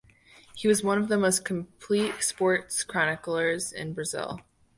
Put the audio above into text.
He was one of the most complete sports chroniclers in Brazil.